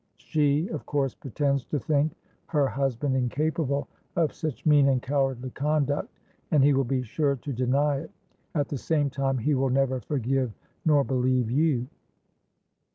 She of course pretends to think her husband incapable of such mean and cowardly conduct; and he will be sure to deny it; at the same time he will never forgive nor believe you.'